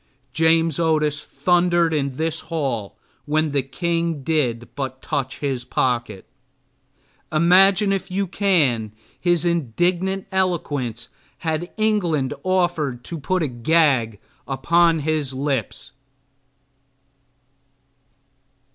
James Otis thundered in this hall when the king did but touch his pocket. Imagine if you can his indignant eloquence had England offered to put a gag upon his lips.